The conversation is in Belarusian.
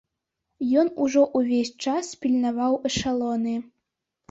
Ён ужо ўвесь час пільнаваў эшалоны.